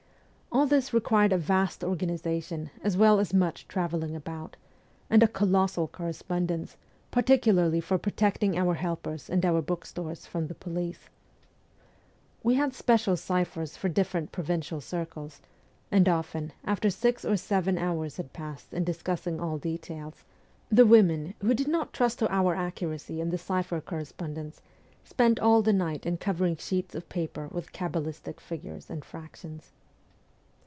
All this required a vast organization as well as much travelling about, and a colossal correspon dence, particularly for protecting our helpers and our bookstores from the police. We had special ciphers or different provincial circles, and often, after six or seven hours had been passed in discussing all details, the women, who did not trust to our accuracy in the cipher correspondence, spent all the night in covering sheets of paper with cabalistic figures and fractions.